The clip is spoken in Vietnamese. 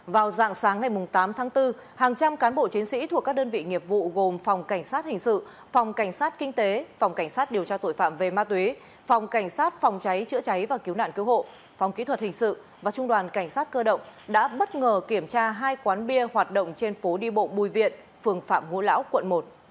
vào dạng sáng ngày tám tháng bốn hàng trăm cán bộ chiến sĩ thuộc các đơn vị nghiệp vụ gồm phòng cảnh sát hình sự phòng cảnh sát kinh tế phòng cảnh sát điều tra tội phạm về ma túy phòng cảnh sát phòng cháy chữa cháy và cứu nạn cứu hộ phòng kỹ thuật hình sự và trung đoàn cảnh sát cơ động đã bất ngờ kiểm tra hai quán bia hoạt động trên phố đi bộ bùi viện phường phạm ngũ lão quận một